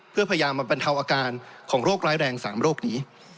เพื่อพยายามมาบรรเทาอาการของโรคร้ายแรง๓โรคนี้